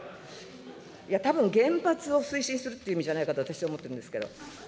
たぶん原発を推進するって意味じゃないかと私は思っているんですけど。